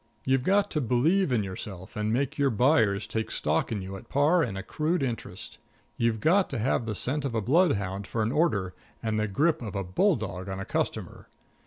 You've got to believe in yourself and make your buyers take stock in you at par and accrued interest. You've got to have the scent of a bloodhound for an order, and the grip of a bulldog on a customer.